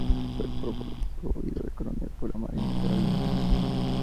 Fue promovido a Coronel por la Marina Real Británica.